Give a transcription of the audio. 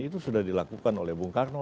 itu sudah dilakukan oleh bung karno